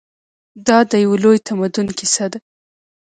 دا د یو لوی تمدن کیسه ده.